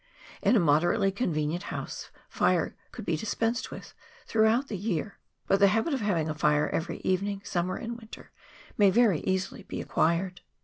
In a moderately convenient house N2 180 CLIMATE OF [PART I. fire could be dispensed with throughout the year, but the habit of having a fire every evening, summer and winter, may very easily be acquired.